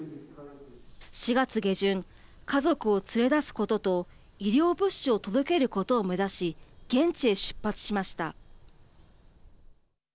４月下旬、家族を連れ出すことと医療物資を届けることを目指し現地へ出発しました。